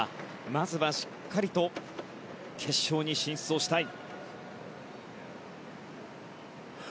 まずは、しっかりと決勝に進出をしたい。